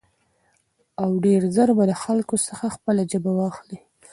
او ډېر زر به له خلکو څخه خپله ژبه واخلي.